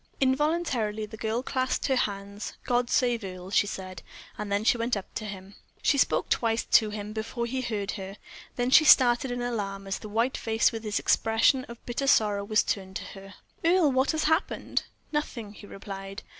Involuntarily the girl clasped her hands: "God save Earle!" she said; then she went up to him. She spoke twice to him before he heard her; then she started in alarm as the white face, with its expression of bitter sorrow, was turned to her. "Earle, what has happened?" "Nothing," he replied.